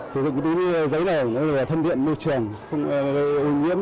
sử dụng túi ní giấy này thân thiện môi trường không ưu nhiễm